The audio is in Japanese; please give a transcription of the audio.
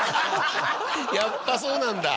やっぱそうなんだ。